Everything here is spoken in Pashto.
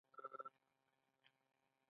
زما د ډیسک ټاپ کمپیوټر کیبورډ نوي بټنونه لري.